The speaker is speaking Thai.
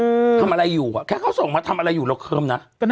อืมทำอะไรอยู่อ่ะแค่เขาส่งมาทำอะไรอยู่เราเคิมนะ